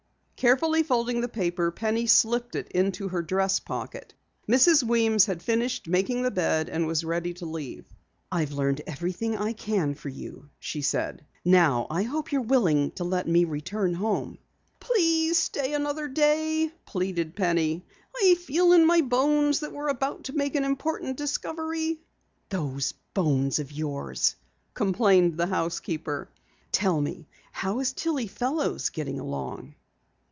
Carefully folding the paper, Penny slipped it into her dress pocket. Mrs. Weems had finished making the bed and was ready to leave. "I've learned everything I can for you," she said. "Now I hope you're willing to let me return home." "Please stay another day," pleaded Penny. "I feel in my bones that we're about to make an important discovery." "Those bones of yours!" complained the housekeeper. "Tell me, how is Tillie Fellows getting along?"